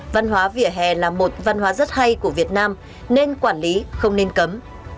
văn hóa vỉa hè là một văn hóa rất hay của việt nam nên quản lý không nên cấm